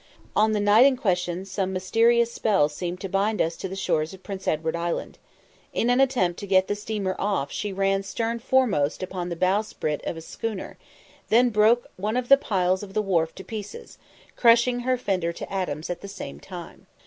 On the night in question some mysterious spell seemed to bind us to the shores of Prince Edward Island. In an attempt to get the steamer off she ran stern foremost upon the bowsprit of a schooner, then broke one of the piles of the wharf to pieces, crushing her fender to atoms at the same time.